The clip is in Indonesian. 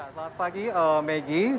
selamat pagi maggie